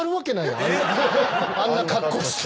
あんな格好して。